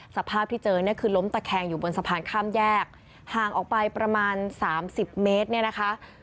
สภาพที่เจอเนี่ยคือล้มตะแคงอยู่บนสะพานข้ามแยกห่างออกไปประมาณสามสิบเมตรเนี่ยนะคะ